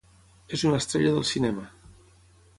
És una estrella del cinema.